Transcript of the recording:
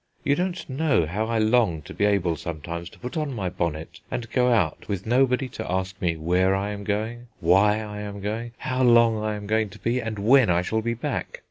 You don't know how I long to be able sometimes to put on my bonnet and go out, with nobody to ask me where I am going, why I am going, how long I am going to be, and when I shall be back.